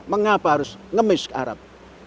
mengapa harus ngemis ke arab